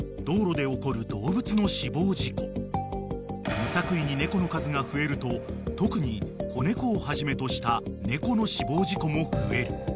［無作為に猫の数が増えると特に子猫をはじめとした猫の死亡事故も増える］